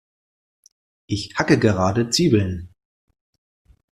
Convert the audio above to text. Ich hacke gerade Zwiebeln.